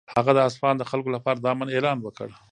هغه د اصفهان د خلکو لپاره د امن اعلان وکړ.